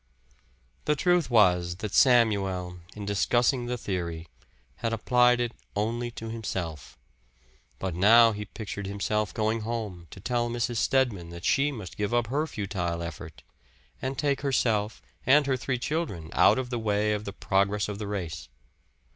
The truth was that Samuel, in discussing the theory, had applied it only to himself. But now he pictured himself going home to tell Mrs. Stedman that she must give up her futile effort, and take herself and her three children out of the way of the progress of the race.